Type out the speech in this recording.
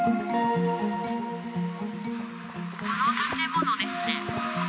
ここの建物ですね。